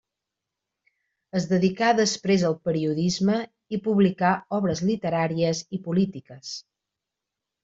Es dedicà després al periodisme i publicà obres literàries i polítiques.